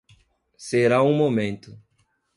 Será um momento.